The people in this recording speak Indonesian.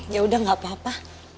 ya udah gak apa apa